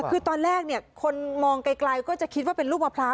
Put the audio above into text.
คือตอนแรกเนี่ยคนมองไกลก็จะคิดว่าเป็นลูกมะพร้าว